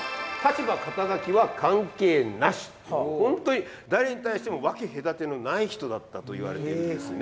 本当に誰に対しても分け隔てのない人だったと言われているんですね。